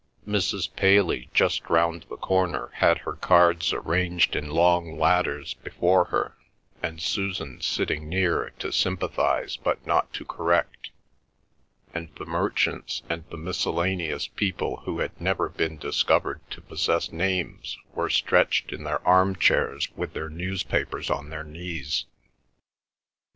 Mrs. Paley just round the corner had her cards arranged in long ladders before her, with Susan sitting near to sympathise but not to correct, and the merchants and the miscellaneous people who had never been discovered to possess names were stretched in their arm chairs with their newspapers on their knees.